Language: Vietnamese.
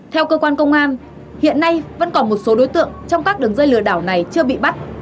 theo cơ quan công an hiện nay vẫn còn một số đối tượng trong các đường dây lừa đảo này chưa bị bắt